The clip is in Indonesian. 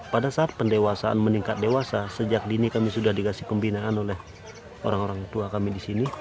pada saat pendewasaan meningkat dewasa sejak dini kami sudah dikasih pembinaan oleh orang orang tua kami di sini